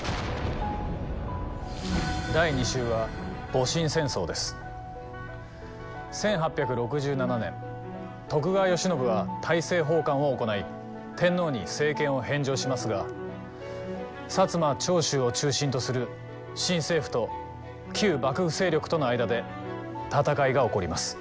第２集は１８６７年徳川慶喜は大政奉還を行い天皇に政権を返上しますが摩・長州を中心とする新政府と旧幕府勢力との間で戦いが起こります。